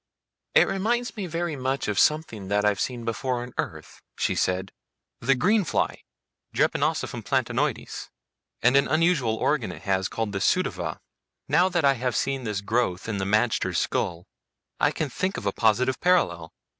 "It reminds me very much of something that I've seen before on Earth," she said. "The green fly Drepanosiphum platanoides and an unusual organ it has, called the pseudova. Now that I have seen this growth in the magter's skull, I can think of a positive parallel.